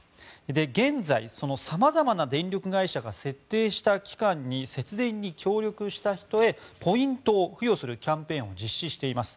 現在、様々な電力会社が設定した期間に節電に協力した人へポイントを付与するキャンペーンを実施しています。